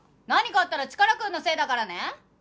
何かあったらチカラくんのせいだからね！